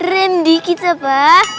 rem dikit apa